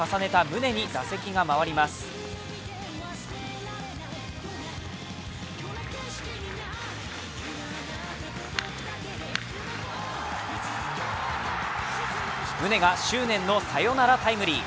宗が執念のサヨナラタイムリー。